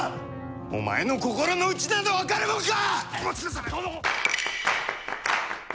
お前の心のうちなど分かるもんか！